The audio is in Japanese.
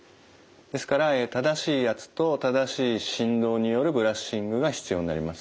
ですから正しい圧と正しい振動によるブラッシングが必要になります。